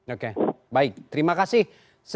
oke baik terima kasih sir harry d arsono